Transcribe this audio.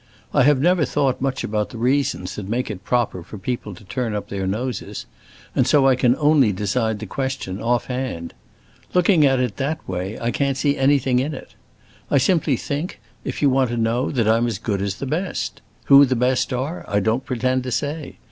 I have never thought much about the reasons that make it proper for people to turn up their noses, and so I can only decide the question off hand. Looking at it in that way I can't see anything in it. I simply think, if you want to know, that I'm as good as the best. Who the best are, I don't pretend to say.